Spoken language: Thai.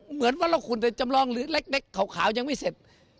เหมือนวัดรองคุณแต่จำลองเล็กขาวยังไม่เสร็จ